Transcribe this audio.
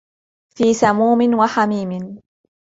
فِي سَمُومٍ وَحَمِيمٍ